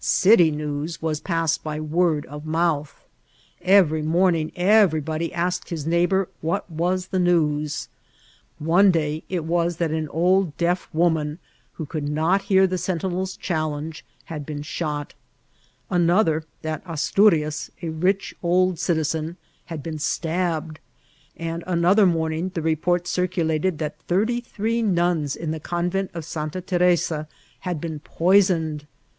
City news passed by word of mouth* Every morning everybody asked his neighbour what was the news* One day it was that an old deaf woman, who ooQld not hear the eentinePs challeiige, had been shot; another, that Asturias, a rich old citizen, had been stabbed ; and another morning the report circu lated that thirty*three nuns in the convent of Santa Teresa bad been poisoned.